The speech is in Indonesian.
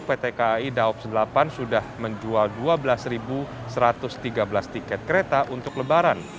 pt kai daops delapan sudah menjual dua belas satu ratus tiga belas tiket kereta untuk lebaran